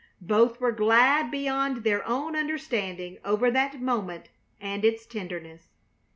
Both were glad beyond their own understanding over that moment and its tenderness.